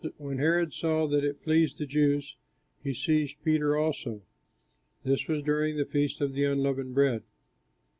When Herod saw that it pleased the Jews, he seized Peter also. This was during the feast of the unleavened bread.